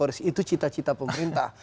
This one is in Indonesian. itu cita cita pemerintah